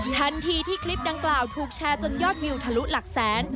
ทันทีที่คลิปดังกล่าวถูกแชร์จนยอดวิวทะลุหลักแสน